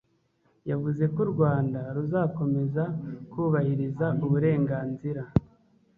Yavuze ko u Rwanda ruzakomeza kubahiriza uburenganzira